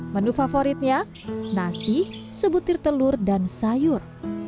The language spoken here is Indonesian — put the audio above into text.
menu favoritnya nasi sebutir telur dan sayur